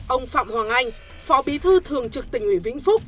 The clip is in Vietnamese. ông phạm hoàng anh phó bí thư thường trực tỉnh ủy vĩnh phúc